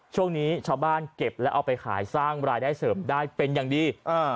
ช่วงนี้ชาวบ้านเก็บแล้วเอาไปขายสร้างรายได้เสริมได้เป็นอย่างดี